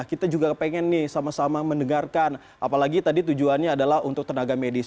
kita juga pengen nih sama sama mendengarkan apalagi tadi tujuannya adalah untuk tenaga medis